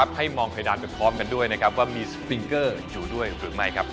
ให้มองเพดานไปพร้อมกันด้วยนะครับว่ามีสปิงเกอร์อยู่ด้วยหรือไม่